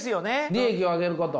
利益を上げること。